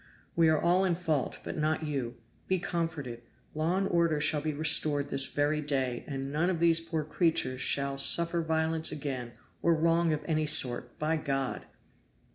We are all in fault, but not you! Be comforted! Law and order shall be restored this very day and none of these poor creatures shall suffer violence again or wrong of any sort by God!"